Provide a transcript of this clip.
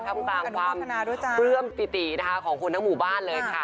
ทำกลางความปลื้มปิตินะคะของคนทั้งหมู่บ้านเลยค่ะ